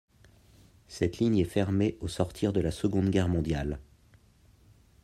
Cette ligne est fermée au sortir de la Seconde guerre mondiale.